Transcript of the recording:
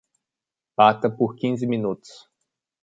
Bata por quinze minutos.